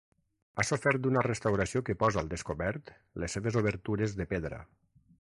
Ha sofert una restauració que posa al descobert les seves obertures de pedra.